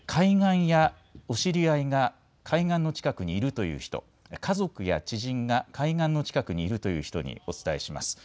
お知り合いが海岸の近くにいるという人、家族や知人が海岸の近くにいるという人にお伝えします。